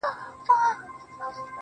ته لږه ایسته سه چي ما وویني~